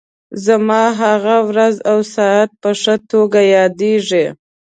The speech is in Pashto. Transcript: زما هغه ورځ او ساعت په ښه توګه یادېږي.